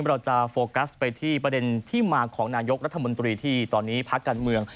เราจะโฟกัสไปที่ประเด็นที่มาของนายกรัฐมนตรีที่ตอนนี้พักการเมือง